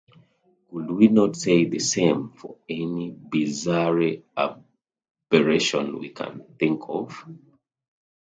Could we not say the same for any bizarre aberration we can think of?